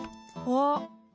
あっ。